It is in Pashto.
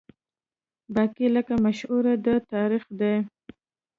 باقي لکه مشهوره ده تاریخ دی